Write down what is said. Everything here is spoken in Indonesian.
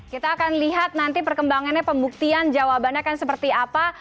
kita akan lihat nanti perkembangannya pembuktian jawabannya akan seperti apa